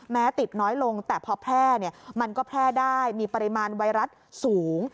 ติดน้อยลงแต่พอแพร่มันก็แพร่ได้มีปริมาณไวรัสสูง